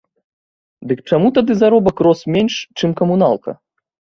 Дык чаму тады заробак рос менш, чым камуналка?